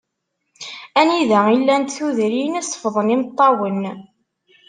Anida i llant tudrin i ṣeffḍen yimeṭṭawen.